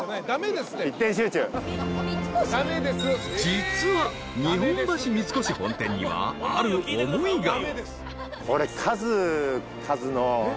［実は日本橋三越本店にはある思いが］